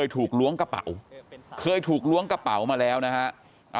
เธอเคยถูกล้วงกระเป๋ามาแล้วนะฮะ